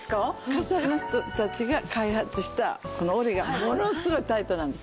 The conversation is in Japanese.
傘の人たちが開発したこの織りがものすごいタイトなんです。